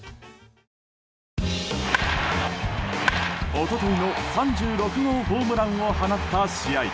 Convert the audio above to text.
一昨日の３６号ホームランを放った試合。